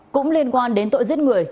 cũng liên quan đến tội giết người